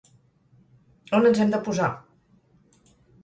On ens hem de posar?